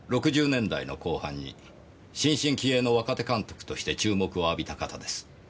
６０年代の後半に新進気鋭の若手監督として注目を浴びた方です。